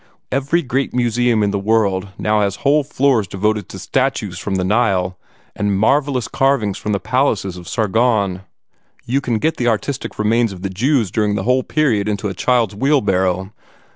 Every great museum in the world now has whole floors devoted to statues from the Nile, and marvellous carvings from the palaces of Sargon and Assurbanipal. You can get the artistic remains of the Jews during that whole period into a child's wheelbarrow.